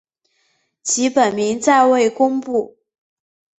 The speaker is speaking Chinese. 其本名暂未公布。